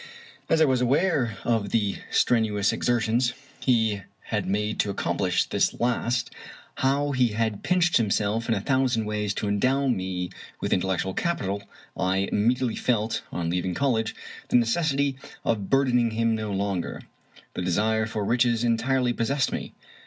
As I was aware of the strenu ous exertions he had made to accompUsh this last, how he had pinched himself in a thousand ways to endow me with intellectual capital, I immediately felt, on leaving college, the necessity of burdening him no longer. The desire for riches entirely possessed me.